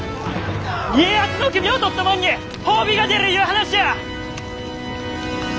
家康の首を取ったもんに褒美が出るいう話や！